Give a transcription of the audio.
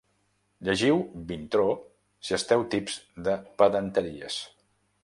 Llegiu Vintró si esteu tips de pedanteries.